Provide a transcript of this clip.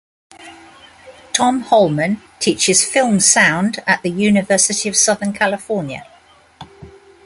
Tom Holman teaches film sound at the University of Southern California.